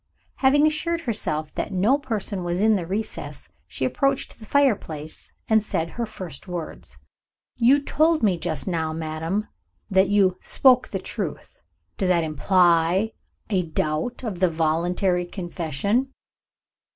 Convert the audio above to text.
Having assured herself that no person was in the recess, she approached the fire place, and said her first words. "You told me just now, madam, that you spoke the truth. Does that imply a doubt of the voluntary confession